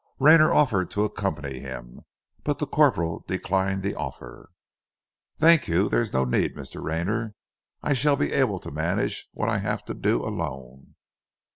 Rayner offered to accompany him; but the corporal declined the offer. "Thank you, there is no need, Mr. Rayner. I shall be able to manage what I have to do alone."